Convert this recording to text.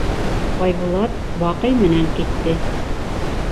Айбулат Баҡый менән китте.